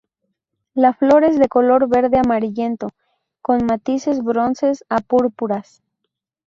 La flor es de color verde amarillento con matices bronces a púrpuras.